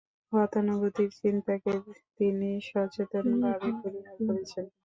গতানুগতিক চিন্তাকে তিনি সচেতনভাবেই পরিহার করেছেন।